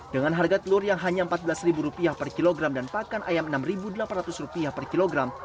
dengan harga telur yang hanya rp empat belas per kilogram dan pakan ayam rp enam delapan ratus per kilogram